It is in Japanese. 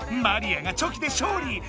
マリアが「チョキ」で勝利！